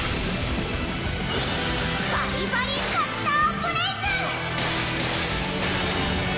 バリバリカッターブレイズ！